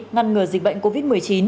ngăn ngừa dịch bệnh covid một mươi chín